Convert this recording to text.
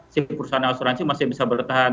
si perusahaan asuransi masih bisa bertahan